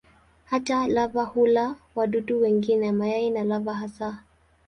Hata lava hula wadudu wengine, mayai na lava hasa.